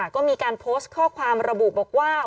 ก็มีการโพสต์ข้อความระบุบอกว่า